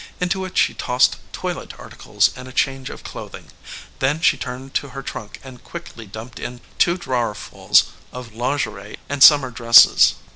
Into it she tossed toilet articles and a change of clothing, Then she turned to her trunk and quickly dumped in two drawerfulls of lingerie and stammer dresses.